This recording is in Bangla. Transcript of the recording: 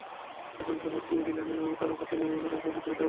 আসামকে বাদ দিয়ে বিল আনায় মমতার আপত্তি নেই বলে সরকারি সূত্রের দাবি।